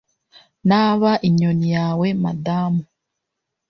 Naba inyoni yawe Madamu